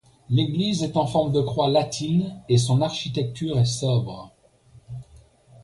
L'église est en forme de croix latine et son architecture est sobre.